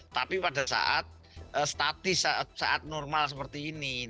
tapi pada saat statis saat normal seperti ini